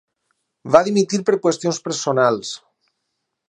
Va dimitir per qüestions personals.